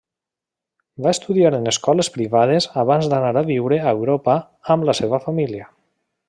Va estudiar en escoles privades abans d'anar a viure a Europa amb la seva família.